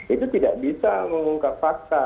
itu tidak bisa mengungkap fakta